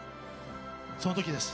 その時です。